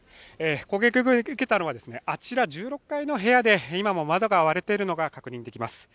攻撃を受けたのは、あちら１６階の部屋で今も窓が割れているのが確認できます。